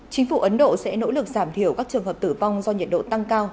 chính phủ ấn độ sẽ nỗ lực giảm thiểu các trường hợp tử vong do nhiệt độ tăng cao